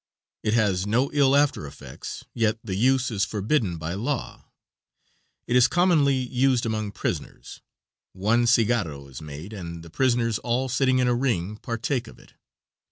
It has no ill after effects, yet the use is forbidden by law. It is commonly used among prisoners. One cigaro is made, and the prisoners all sitting in a ring partake of it.